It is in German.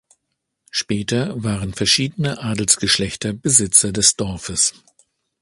Später waren verschiedene Adelsgeschlechter Besitzer des Dorfes.